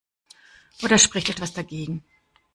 Oder spricht etwas dagegen?